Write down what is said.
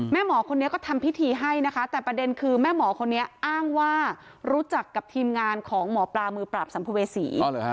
หมอคนนี้ก็ทำพิธีให้นะคะแต่ประเด็นคือแม่หมอคนนี้อ้างว่ารู้จักกับทีมงานของหมอปลามือปราบสัมภเวษี